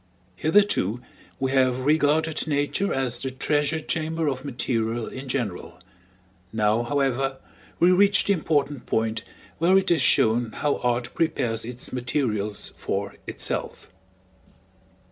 Hitherto we have regarded Nature as the treasure chamber of material in general; now, however, we reach the important point where it is shown how Art prepares its materials for itself.